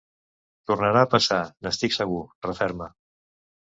Tornarà a passar, n’estic segur, referma.